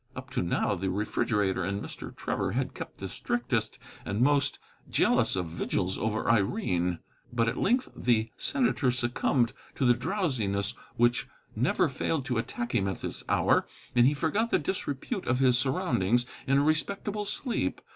Up to now the refrigerator and Mr. Trevor had kept the strictest and most jealous of vigils over Irene. But at length the senator succumbed to the drowsiness which never failed to attack him at this hour, and he forgot the disrepute of his surroundings in a respectable sleep.